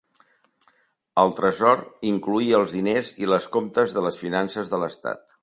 El tresor incloïa els diners i els comptes de las finances de l"Estat.